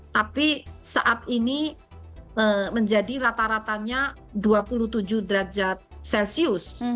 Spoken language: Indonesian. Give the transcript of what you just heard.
tapi saat ini menjadi rata ratanya dua puluh tujuh derajat celcius